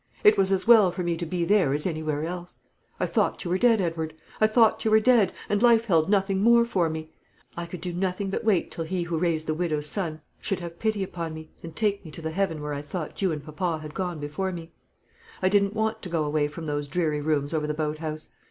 It was as well for me to be there as anywhere else. I thought you were dead, Edward; I thought you were dead, and life held nothing more for me. I could do nothing but wait till He who raised the widow's son should have pity upon me, and take me to the heaven where I thought you and papa had gone before me. I didn't want to go away from those dreary rooms over the boat house.